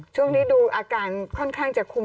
ช่วงนี้ดูอาการค่อนข้างจะคุม